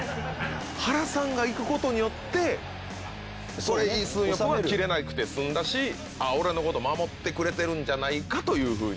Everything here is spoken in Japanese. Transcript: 原さんが行くことによってイ・スンヨプはキレなくて済んだし「あっ俺のこと守ってくれてるんじゃないか」というふうに。